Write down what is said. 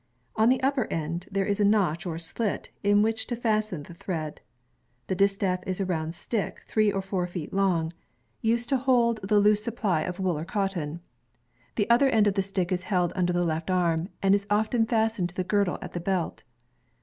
On the upper end, there is a notch or slit in which to fasten the thread. The distaff is a round stick, three or four feet long. One end 87 88 INVENTIONS OF MANUFACTURE AND PRODUCTION is used to hold the loose supply of wool or c»tton. The other end of the stick is held under the left ami, and is often fastened in a girdle at the belt.